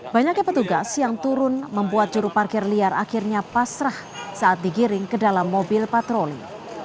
banyaknya petugas yang turun membuat juru parkir liar akhirnya pasrah saat digiring ke dalam mobil patroli